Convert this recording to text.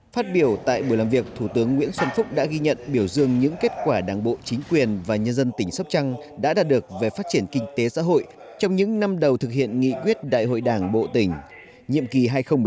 phát biểu tại buổi làm việc thủ tướng nguyễn xuân phúc đã ghi nhận biểu dương những kết quả đảng bộ chính quyền và nhân dân tỉnh sóc trăng đã đạt được về phát triển kinh tế xã hội trong những năm đầu thực hiện nghị quyết đại hội đảng bộ tỉnh nhiệm kỳ hai nghìn một mươi năm hai nghìn hai mươi